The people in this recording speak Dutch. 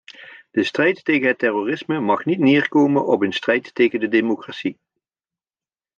De strijd tegen het terrorisme mag niet neerkomen op een strijd tegen de democratie.